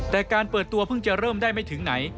แต่การเปิดตัวเพิ่งจะเริ่มได้ไม่ถึงไหน